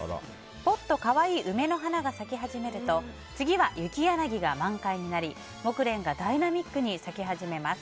ポッと可愛い梅の花が咲き始めると次はユキヤナギが満開になりモクレンがダイナミックに咲き始めます。